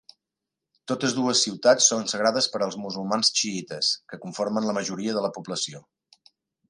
Totes dues ciutats són sagrades per als musulmans xiïtes, que conformen la majoria de la població.